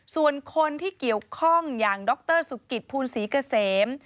ส่วนคนที่เกี่ยวข้องอย่างดรสุกิตภูลศรีเกษม